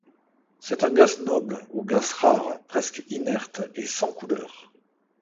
C'est un gaz noble, ou gaz rare, presque inerte et sans couleur.